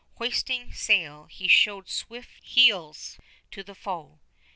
Hoisting sail, he showed swift heels to the foe.